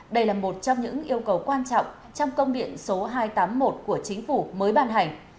đây là một trong những yêu cầu quan trọng trong công điện số hai trăm tám mươi một của chính phủ mới ban hành